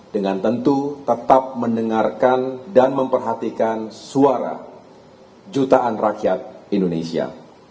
dengan tentu tetap mendengarkan dan memperhatikan suara jutaan rakyat indonesia